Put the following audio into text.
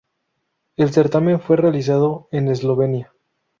El certamen fue realizado en Eslovenia.